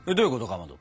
かまど。